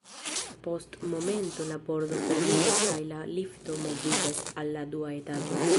Post momento la pordo fermiĝas kaj la lifto moviĝas al la dua etaĝo.